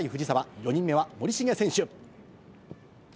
４人目は森重選手。